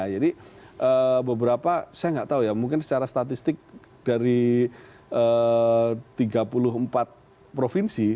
jadi beberapa saya nggak tahu ya mungkin secara statistik dari tiga puluh empat provinsi